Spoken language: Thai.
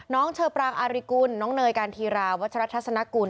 เชอปรางอาริกุลน้องเนยการธีราวัชรทัศนกุล